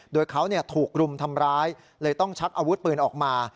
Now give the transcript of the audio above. โดยเขาถูกรุมทำร้ายเลยต้องชักอาวุธปืนออกมา